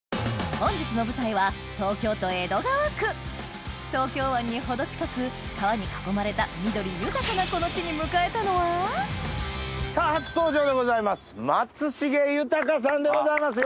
本日の舞台は東京湾に程近く川に囲まれた緑豊かなさぁ初登場でございます松重豊さんでございます。